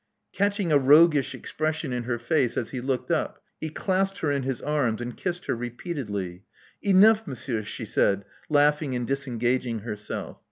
Catching a roguish expression in her face as he looked up, he clasped her in his arms, and kissed her repeatedly. *' Enough, Monsieur," she said, laughing and dis engaging herself.